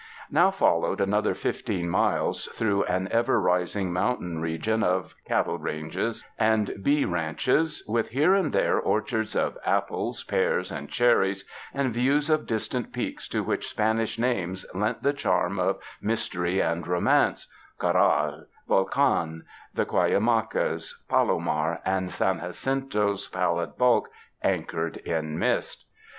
Now followed another fifteen miles through an ever rising mountain region of cattle ranges and bee ranches, with here and there orchards of apples, pears and cherries, and views of distant peaks to which Spanish names lent the charm of mystery and romance— Corral, Volcan, the Cuyamacas, Palomar and San Jacinto's pallid bulk, anchored in mist.